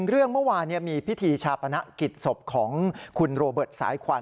เรื่องเมื่อวานมีพิธีชาปนกิจศพของคุณโรเบิร์ตสายควัน